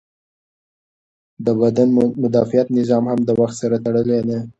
د بدن مدافعت نظام هم د وخت سره تړلی دی.